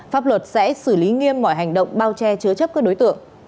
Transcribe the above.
pháp luật sẽ xử lý nghiêm mọi hành động bao che chứa chấp các đối tượng